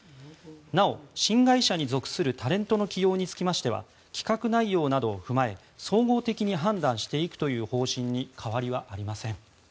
なお、新会社に属するタレントの起用につきましては企画内容などを踏まえ総合的に判断していくという方針に変わりはありません。